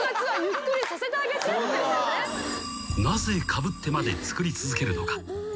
［なぜかぶってまでつくり続けるのか］